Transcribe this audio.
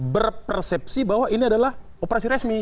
berpersepsi bahwa ini adalah operasi resmi